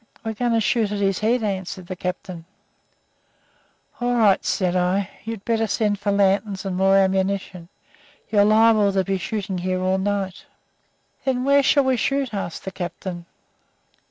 "'We're going to shoot at his head,' answered the captain. "'All right,' said I; 'you'd better send for lanterns and more ammunition. You're liable to be shooting here all night.' "'Then, where shall we shoot?' asked the captain.